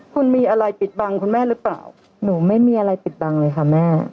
คุณมีอะไรปิดบังคุณแม่หรือเปล่าหนูไม่มีอะไรปิดบังเลยค่ะแม่